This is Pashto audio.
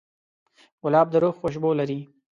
ګلاب د روح خوشبو لري.